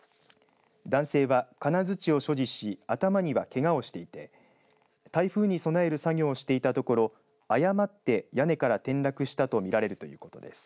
男性は、金づちを所持し頭には、けがをしていて台風に備える作業をしていたところ誤って屋根から転落したと見られるということです。